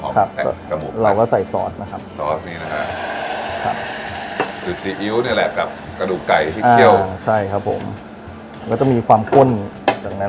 ตอนนี้ความหอมมันแตกกระหมูกไป